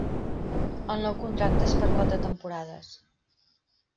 El nou contracte és per quatre temporades.